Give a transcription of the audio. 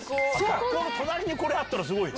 学校の隣にこれあったらすごい。